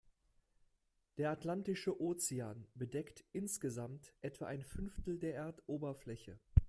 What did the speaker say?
Der Atlantische Ozean bedeckt insgesamt etwa ein Fünftel der Erdoberfläche.